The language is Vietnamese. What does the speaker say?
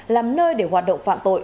làm nơi để hoạt động phạm tội